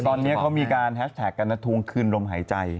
ตอนนี้เขามีการแฮชแท็กกันนะทวงคืนลมหายใจ